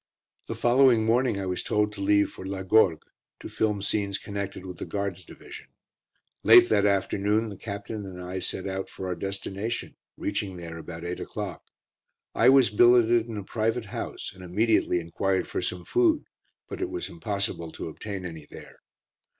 The following morning I was told to leave for La Gorgue, to film scenes connected with the Guards' Division. Late that afternoon, the Captain and I set out for our destination, reaching there about 8 o'clock. I was billeted in a private house, and immediately enquired for some food, but it was impossible to obtain any there.